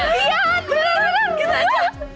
iya bener bener kita ajak